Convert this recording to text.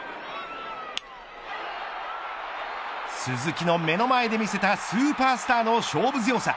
鈴木の目の前で見せたスーパースターの勝負強さ。